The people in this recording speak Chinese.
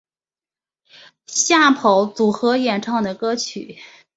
吓跑组合演唱的歌曲。